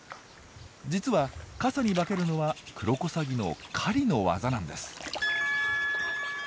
実は傘に化けるのはクロコサギの狩りの技なんです。